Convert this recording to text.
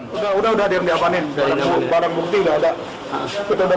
sudah sudah ada yang diamanin barang bukti enggak ada